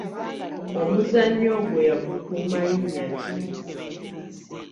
Omuzannyo ogwo yagutuuma linnya ki?